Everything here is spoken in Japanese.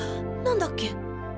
何だっけ？